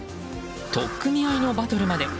取っ組み合いのバトルまで。